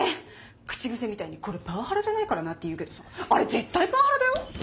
口癖みたいに「これパワハラじゃないからな」って言うけどさあれ絶対パワハラだよ！